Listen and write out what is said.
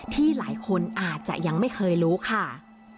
ที่หลายคนอาจจะยังไม่เคยรู้ค่ะ